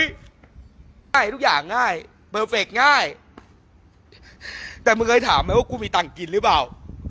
ทุกอย่างง่ายเปอร์เฟคง่ายแต่มึงเคยถามไหมว่ากูมีตังค์กินหรือเปล่า